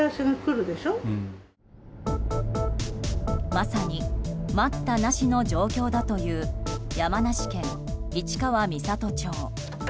まさに待ったなしの状況だという山梨県市川三郷町。